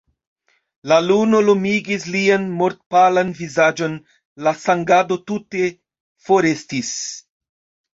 La luno lumigis lian mortpalan vizaĝon, la sangado tute forestis.